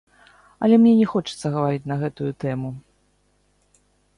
Але мне не хочацца гаварыць на гэтую тэму.